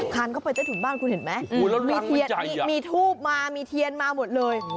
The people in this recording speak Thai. เข้าไปใต้ถุนบ้านคุณเห็นไหมมีเทียนมีทูบมามีเทียนมาหมดเลย